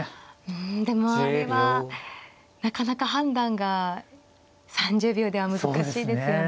うんでもあれはなかなか判断が３０秒では難しいですよね。